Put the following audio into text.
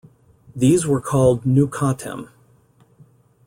These were called "nukatem".